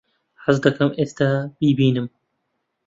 حەز دەکەم ئێستا بیبینم.